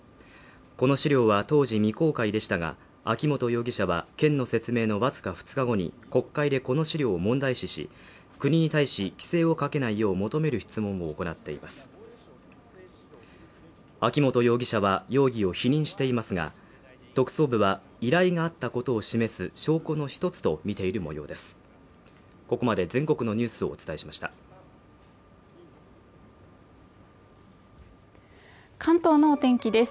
この資料は当時未公開でしたが秋本容疑者は県の説明のわずか２日後に国会でこの資料を問題視し国に対し規制をかけないよう求める質問も行っています秋本容疑者は容疑を否認していますが特捜部は依頼があったことを示す証拠の一つとみている模様です関東のお天気です